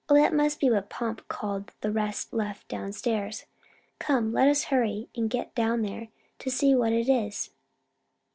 "Oh that must be what Pomp called the rest left down stairs. Come, let's hurry and get down there to see what it is."